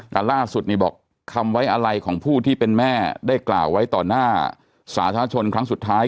แต่ล่าสุดนี่บอกคำไว้อะไรของผู้ที่เป็นแม่ได้กล่าวไว้ต่อหน้าสาธารณชนครั้งสุดท้าย